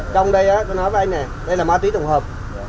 trong đây tôi nói với anh này đây là ma túy tổng hợp